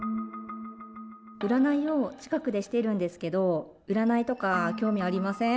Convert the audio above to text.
占いを近くでしてるんですけど、占いとか興味ありません？